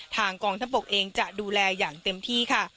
กองทัพบกเองจะดูแลอย่างเต็มที่ค่ะ